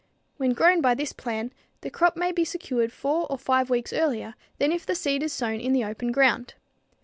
When grown by this plan the crop may be secured four or five weeks earlier than if the seed is sown in the open ground.